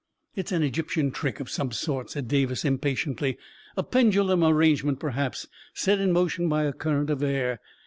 " It's an Egyptian trick of some sort," said Davis impatiently. "A pendulum arrangement, perhaps, set in motion by a current of air.